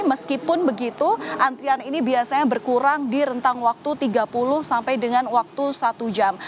meskipun begitu antrian ini biasanya berkurang di rentang waktu tiga puluh sampai dengan waktu satu jam